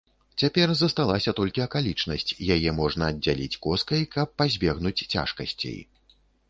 Цяпер засталася толькі акалічнасць, яе можна аддзяліць коскай, каб пазбегнуць цяжкасцей.